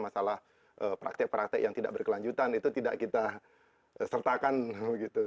masalah praktek praktek yang tidak berkelanjutan itu tidak kita sertakan begitu